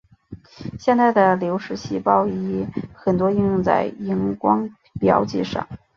现代的流式细胞仪很多应用在荧光标记上。